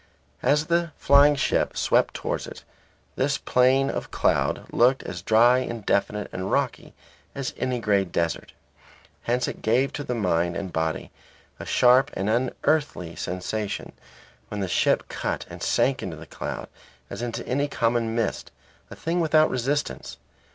As the flying ship swept towards it, this plain of cloud looked as dry and definite and rocky as any grey desert. Hence it gave to the mind and body a sharp and unearthly sensation when the ship cut and sank into the cloud as into any common mist, a thing without resistance.